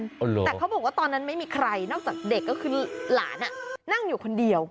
แต่เขาบอกว่าตอนนั้นไม่มีใครนอกจากเด็กก็คือหลานนั่งอยู่คนเดียว